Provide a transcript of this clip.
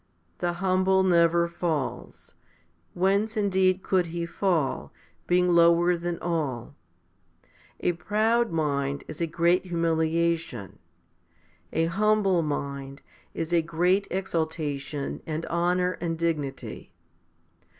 The humble never falls. Whence indeed could he fall, being lower than all ? A proud mind is a great humiliation ; a humble mind is a great exaltation and honour and dignity.